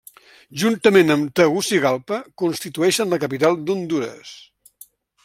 Juntament amb Tegucigalpa, constitueixen la capital d'Hondures.